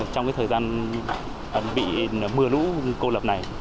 trong thời gian bị mưa lú cô lập này